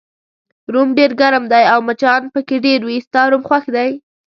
روم ډېر ګرم دی او مچان پکې ډېر وي، ستا روم خوښ دی؟